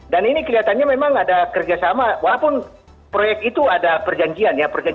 dan ini kelihatannya memang ada kerjasama walaupun proyek itu ada perjanjian ya